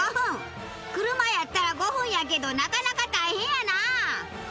車やったら５分やけどなかなか大変やなあ。